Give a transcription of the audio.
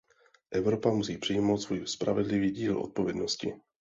Evropa musí přijmout svůj spravedlivý díl odpovědnosti.